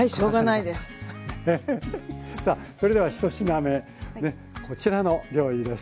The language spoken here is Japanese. さあそれでは１品目ねこちらの料理です。